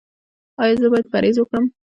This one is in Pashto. ایا زه باید پرهیز وکړم؟